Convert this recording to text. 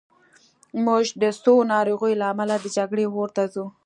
موږ د څو ناروغانو له امله د جګړې اور ته ځو